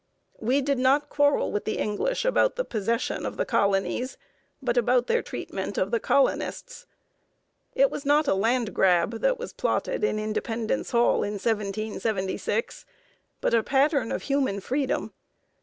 We did not quarrel with the English about the possession of the colonies, but about their treatment of the colonists. It was not a land grab that was plotted in Independence Hall in 1776, but a pattern of human freedom.